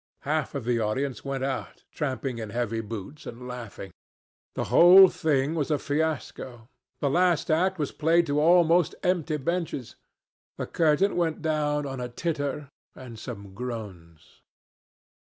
Half of the audience went out, tramping in heavy boots and laughing. The whole thing was a fiasco. The last act was played to almost empty benches. The curtain went down on a titter and some groans.